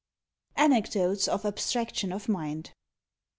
ANECDOTES OF ABSTRACTION OF MIND.